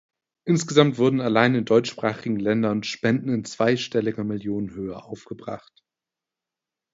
Insgesamt wurden allein in deutschsprachigen Ländern Spenden in zweistelliger Millionenhöhe aufgebracht.